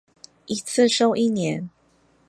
一次收一年